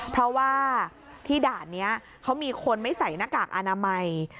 เพราะว่าที่ด่านนี้เขามีคนไม่ใส่หน้ากากอนามัย